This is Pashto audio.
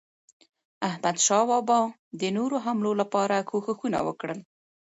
احمدشاه ابدالي د نورو حملو لپاره کوښښونه وکړل.